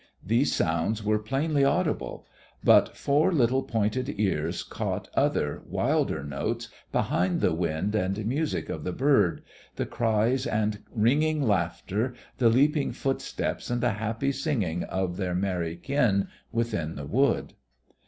These sounds were plainly audible. But four little pointed ears caught other, wilder notes behind the wind and music of the bird the cries and ringing laughter, the leaping footsteps and the happy singing of their merry kin within the wood.